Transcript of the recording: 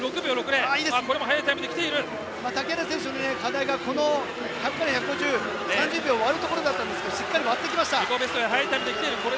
竹原選手の課題が１００から１５０で３０秒を割るところでしたがしっかり割ってきました。